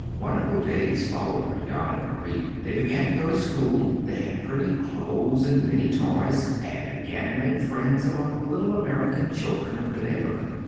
Wonderful days followed for Jan and Marie. They began to go to school; they had pretty clothes and many toys, and began to make friends among the little American children of the neighborhood.